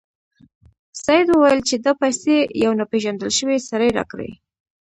سید وویل چې دا پیسې یو ناپيژندل شوي سړي راکړې.